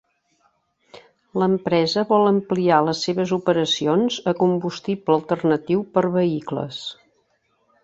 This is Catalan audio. L'empresa vol ampliar les seves operacions a combustible alternatiu per vehicles.